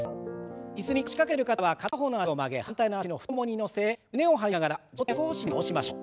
椅子に腰掛けてる方は片方の脚を曲げ反対の脚の太ももに乗せ胸を張りながら上体を少し前に倒しましょう。